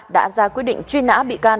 đã ra quyết định truy nã bị can